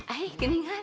eh gini kan